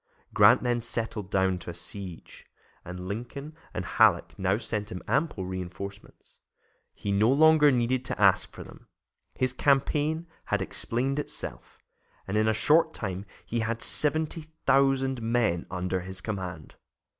Grant then settled down to a siege, and Lincoln and Halleck now sent him ample reinforcements. He no longer needed to ask for them. His campaign had explained itself, and in a short time he had seventy thousand men under his command.